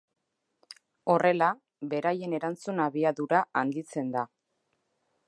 Horrela, beraien erantzun-abiadura handitzen da.